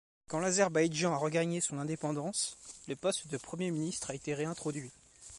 Quand l'Azerbaïdjan a regagné son indépendance, le poste de Premier ministre a été réintroduit.